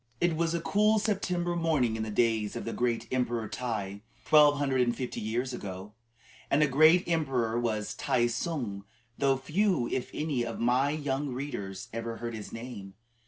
It was a cool September morning in the days of the great Emperor Tai, twelve hundred and fifty years ago. And a great emperor was Tai tsung, though few, if any, of my young readers ever heard his name.